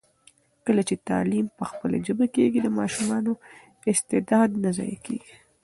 کله چي تعلیم په خپله ژبه کېږي، د ماشومانو استعداد نه ضایع کېږي.